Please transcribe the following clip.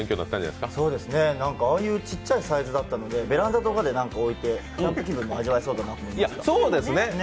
ああいうちっちゃいサイズだったのでベランダとかに置いてキャンプ気分も味わえそうだなって思いました。